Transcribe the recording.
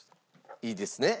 いいですね？